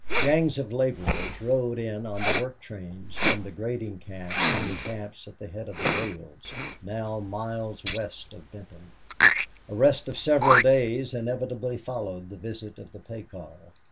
Gangs of laborers rode in on the work trains from the grading camps and the camps at the head of the rails, now miles west of Benton. A rest of several days inevitably followed the visit of the pay car.